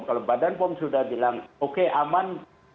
kalau badan pom sudah bilang oke aman